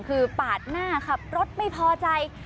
คือปาดหน้าขับรถไม่พอใจ